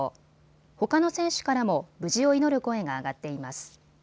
ほかの選手からも無事を祈る声が上がっています。